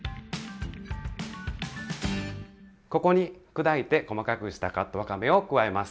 ここに砕いて細かくしたカットわかめを加えます。